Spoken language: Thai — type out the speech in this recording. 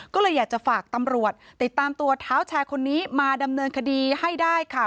ก็เลยอยากจะฝากตำรวจติดตามตัวเท้าแชร์คนนี้มาดำเนินคดีให้ได้ค่ะ